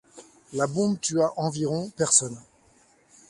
La bombe tua environ personnes.